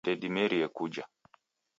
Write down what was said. Ndedimerie kuja